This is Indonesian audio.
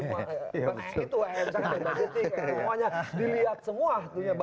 itu misalkan energetik semuanya dilihat semua